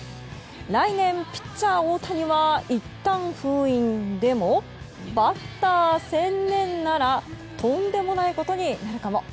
来年、ピッチャー大谷はいったん封印でもバッター専念ならとんでもないことになるかも。